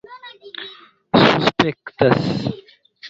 suspektas